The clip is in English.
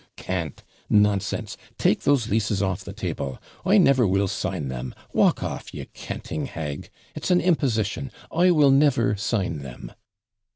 'Cant! nonsense! Take those leases off the table; I never will sign them. Walk off; ye canting hag; it's an imposition I will never sign them.'